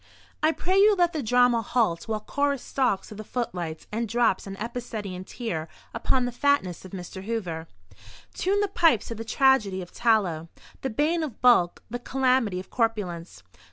I pray you let the drama halt while Chorus stalks to the footlights and drops an epicedian tear upon the fatness of Mr. Hoover. Tune the pipes to the tragedy of tallow, the bane of bulk, the calamity of corpulence.